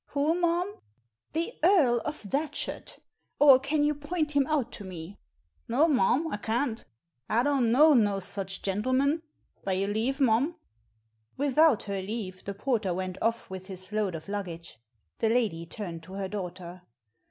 "Who, mum?" "The Earl of Datchet; or can you point him out tome?" " No, mum, I can't. I don't know no such gentle man. By your leave, mum !" Without her leave the porter went off with his load of luggage. The lady turned to her daughter.